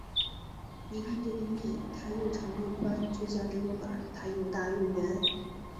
你看这个面，它又长又宽，就像这个碗，它又大又圆。